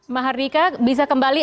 mahardika bisa kembali